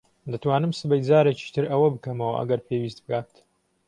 دەتوانم سبەی جارێکی تر ئەوە بکەمەوە ئەگەر پێویست بکات.